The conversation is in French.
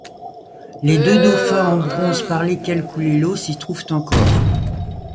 Les deux dauphins en bronze par lesquels coulait l'eau s'y trouvent encore.